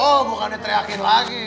oh bukan dia teriakin lagi